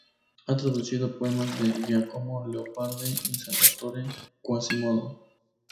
Ha traducido poemas de Giacomo Leopardi y Salvatore Quasimodo.